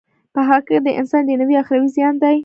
په هغه کی د انسان دینوی او اخروی زیان دی.